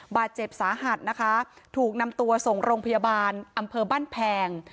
บาดเจ็บสาหัสนะคะถูกนำตัวส่งโรงพยาบาลอำเภอบ้านแพง